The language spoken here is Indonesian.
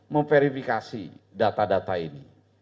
memverifikasi data data ini